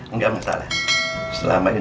enggak masalah selama ini